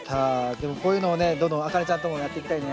でもこういうのをねどんどんあかねちゃんともやっていきたいね。